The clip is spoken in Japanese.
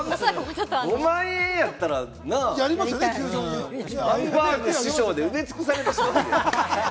５万円やったらなぁ、ハンバーグ師匠で埋め尽くされてしまうやん。